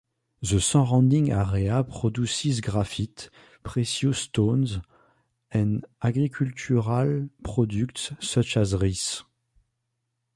The surrounding area produces graphite, precious stones and agricultural products such as rice.